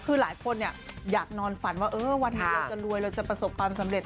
คือหลายคนอยากนอนฝันว่าวันนี้เราจะรวยเราจะประสบความสำเร็จ